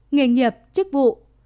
nghề nghiệp chức vụ